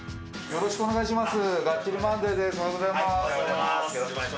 よろしくお願いします